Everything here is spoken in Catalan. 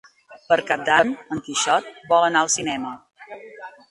Per Cap d'Any en Quixot vol anar al cinema.